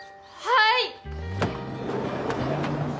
はい。